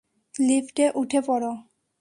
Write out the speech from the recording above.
লিফটে উঠে পড়!